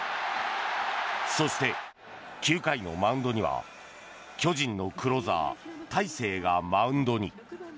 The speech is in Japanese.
そして、９回のマウンドには巨人のクローザー大勢がマウンドに。